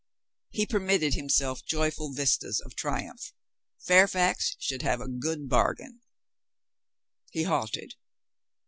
He permitted himself joyful vistas of triumph. Fairfax should have a good bargain. He halted.